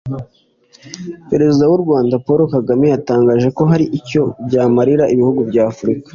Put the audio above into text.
Perezida w’u Rwanda Paul Kagame yatangaje ko hari icyo byamarira ibihugu bya Afurika